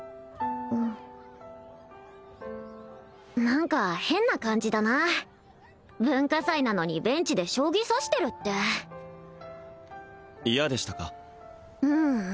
何か変な感じだな文化祭なのにベンチで将棋指してるって嫌でしたか？